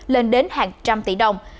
lên đến hàng trăm tỷ đồng